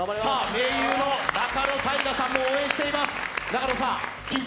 盟友の仲野太賀さんも応援しています。